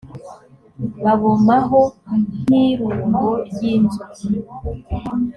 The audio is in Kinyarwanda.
babomaho nk’irumbo ry’inzuki